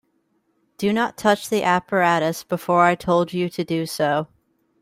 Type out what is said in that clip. Do not touch the apparatus before I told you to do so.